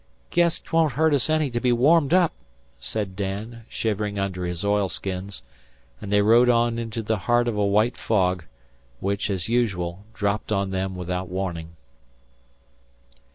"Guess 'twon't hurt us any to be warmed up," said Dan, shivering under his oilskins, and they rowed on into the heart of a white fog, which, as usual, dropped on them without warning.